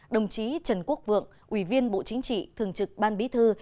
đồng chí trần quốc vượng ủy viên bộ chính trị thường trực ban bí thư